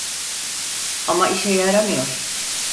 Ama işe yaramıyor.